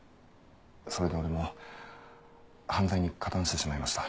それで俺も犯罪に加担してしまいました。